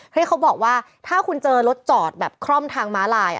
ที่เขาบอกว่าถ้าคุณเจอรถจอดแบบคร่อมทางม้าลาย